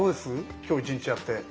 今日一日やって。